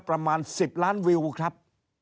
ประมาณ๑๐ล้านวิวครับ